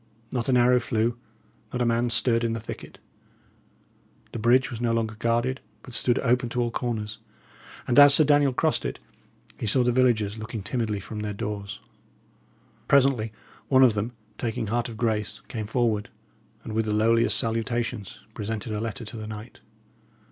Not an arrow flew, not a man stirred in the thicket; the bridge was no longer guarded, but stood open to all corners; and as Sir Daniel crossed it, he saw the villagers looking timidly from their doors. Presently one of them, taking heart of grace, came forward, and with the lowliest salutations, presented a letter to the knight.